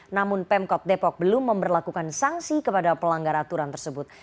namun pemkot depok belum memperlakukan sanksi kepada pelanggar aturan tersebut